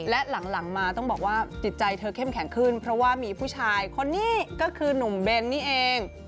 และหลังมาต้องบอกว่าจิตใจเธอเข้มแข็งขึ้นเพราะว่ามีผู้ชายคนนี้ก็คือหนุ่มเบนนี่เอง